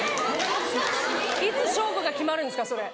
いつ勝負が決まるんですかそれ。